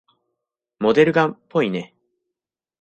モデルガンっぽいね。